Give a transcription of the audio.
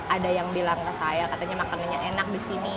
ada yang bilang ke saya katanya makanannya enak di sini